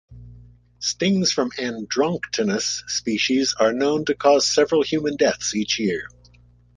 Stings from "Androctonus" species are known to cause several human deaths each year.